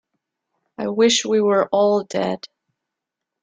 I wish we were all dead.